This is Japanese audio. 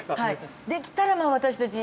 できたら私たち